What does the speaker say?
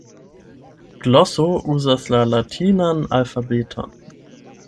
Gloso uzas la latinan alfabeton.